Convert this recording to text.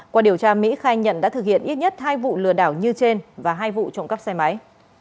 qua điều tra mỹ khai nhận đã thực hiện ít nhất hai vụ lừa đảo như trên và hai vụ trộm cắp xe máy